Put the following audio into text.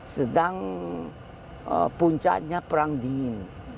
sedang puncaknya perang dingin